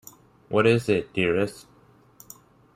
What is it, dearest?